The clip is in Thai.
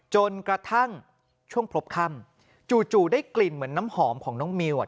จนกระทั่งช่วงพบค่ำจู่ได้กลิ่นเหมือนน้ำหอมของน้องมิว